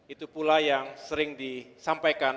itu pula yang sering disampaikan